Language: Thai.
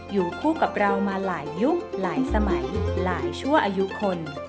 อยู่คู่กับเรามาหลายยุคหลายสมัยหลายชั่วอายุคน